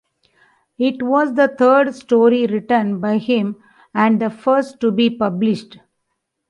It was the third story written by him, and the first to be published.